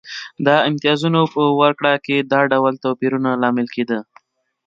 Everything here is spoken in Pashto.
د امتیازونو په ورکړه کې دا ډول توپیرونه لامل کېده.